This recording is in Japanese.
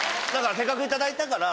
せっかくいただいたから。